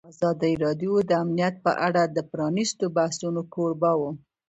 ازادي راډیو د امنیت په اړه د پرانیستو بحثونو کوربه وه.